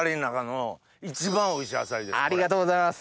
ありがとうございます。